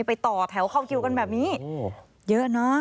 ต่อแถวเข้าคิวกันแบบนี้เยอะเนอะ